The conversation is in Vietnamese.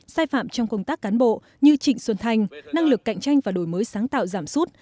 sai phạm trong công tác cán bộ như trịnh xuân thanh năng lực cạnh tranh và đổi mới sáng tạo giảm sút